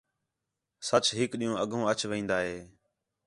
سَچ ہِک ݙِین٘ہوں اڳّوں اَچ وین٘دا ہِے